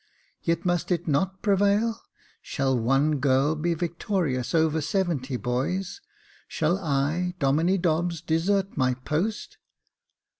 Yet must it not prevail ? Shall one girl be victorious over seventy boys ? Shall I, Domine Dobbs, desert my post?